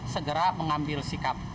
segera mengambil sikap